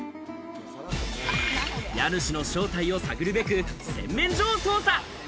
家主の正体を探るべく、洗面所を捜査。